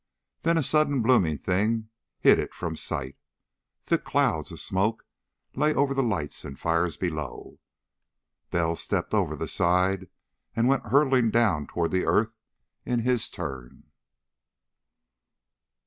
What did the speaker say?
Then a sudden blooming thing hid it from sight. Thick clouds of smoke lay over the lights and fires below. Bell stepped over the side and went hurtling down toward the earth in his turn.